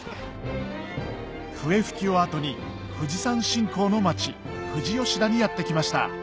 笛吹を後に富士山信仰の町富士吉田にやって来ました